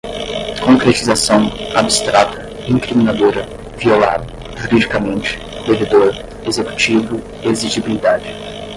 concretização, abstrata, incriminadora, violar, juridicamente, devedor, executivo exigibilidade